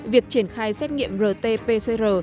việc triển khai xét nghiệm rt pcr